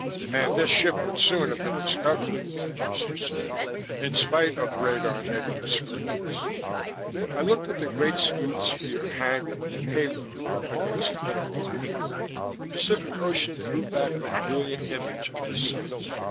"And this ship would soon have been discovered," Foster said. "In spite of radar negative screens." I looked at the great smooth sphere hanging, haloed, against utter black. The Pacific Ocean threw back a brilliant image of the sun.